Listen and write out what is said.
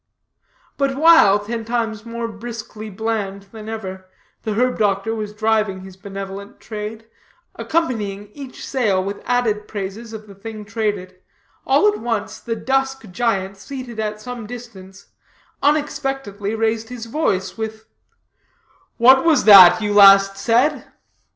But while, ten times more briskly bland than ever, the herb doctor was driving his benevolent trade, accompanying each sale with added praises of the thing traded, all at once the dusk giant, seated at some distance, unexpectedly raised his voice with "What was that you last said?"